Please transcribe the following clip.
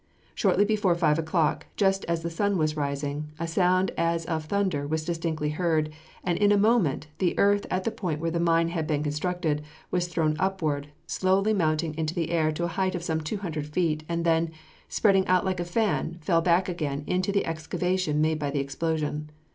Shortly before five o'clock, just as the sun was rising, a sound as of thunder was distinctly heard, and in a moment the earth at the point where the mine had been constructed was thrown upward, slowly mounting into the air to a height of some two hundred feet, and then, spreading out like a fan, fell back again into the excavation made by the explosion.